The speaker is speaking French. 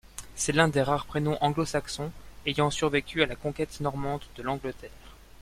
C'est l'un des rares prénoms anglo-saxons ayant survécu à la conquête normande de l'Angleterre.